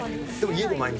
家で毎日。